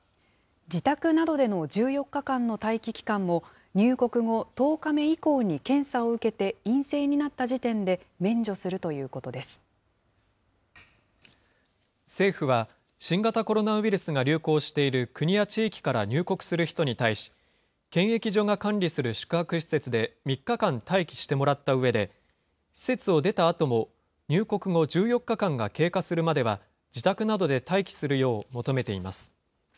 自宅などでの１４日間の待機期間も、入国後１０日目以降に検査を受けて陰性になった時点で免除すると政府は、新型コロナウイルスが流行している国や地域から入国する人に対し、検疫所が管理する宿泊施設で３日間待機してもらったうえで、施設を出たあとも、入国後１４日間が経過するまでは、自宅などで待機するよう求めています。